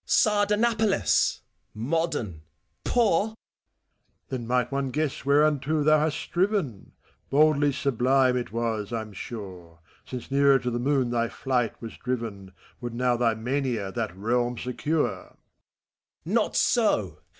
FAUST. Sardanapalus ! Modern, — ^poor ! MEPHISTOPHELES. Then might one guess whereunto thou hast striven » Boldly sublime it was, I'm sure. Since nearer to the moon thy flight was driven, Would now thy mania that realm secure T FAUST. Not so